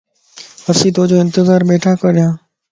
اسين تو جو انتظار ٻيھڻا ڪريان